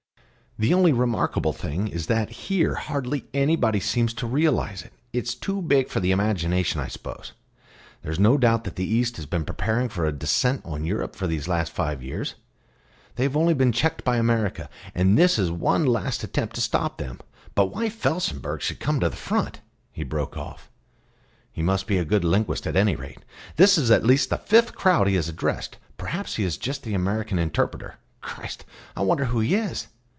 "The only remarkable thing is that here hardly anybody seems to realise it. It's too big for the imagination, I suppose. There is no doubt that the East has been preparing for a descent on Europe for these last five years. They have only been checked by America; and this is one last attempt to stop them. But why Felsenburgh should come to the front " he broke off. "He must be a good linguist, at any rate. This is at least the fifth crowd he has addressed; perhaps he is just the American interpreter. Christ! I wonder who he is."